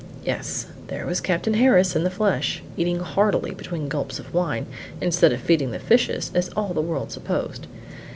Yes, there was Captain Harris in the flesh, eating heartily between great gulps of wine, instead of feeding the fishes as all the world supposed.